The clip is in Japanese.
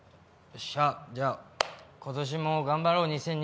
よっしゃじゃあ今年も頑張ろう